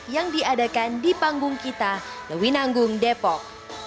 yang diadakan di panggung kita lewinanggung depok